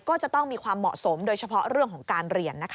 ก็จะต้องมีความเหมาะสมโดยเฉพาะเรื่องของการเรียน